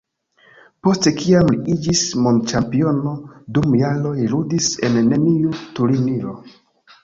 Post kiam li iĝis mondĉampiono, dum jaroj li ludis en neniu turniro.